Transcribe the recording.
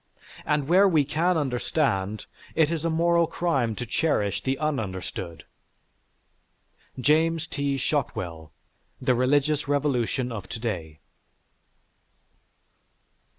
An where we can understand, it is a moral crime to cherish the un understood. (James T. Shotwell: "_The Religious Revolution of Today.